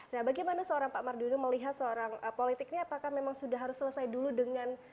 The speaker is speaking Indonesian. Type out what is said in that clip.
nah bagaimana seorang pak mardudo melihat seorang politik ini apakah memang sudah harus selesai dulu dengan